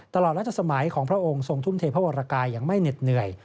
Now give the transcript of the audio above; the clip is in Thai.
ตลอดรัชสมัยของพระองค์ทรงทุ่มเทพระวรกายยังไม่เหน็ดเหนื่อย